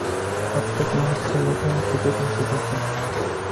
প্রত্যেক মুহূর্তে নূতন সুযোগ আসিতেছে।